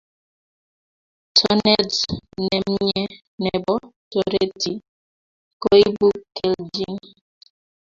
Tonet nemye nebo toreti koibu keljin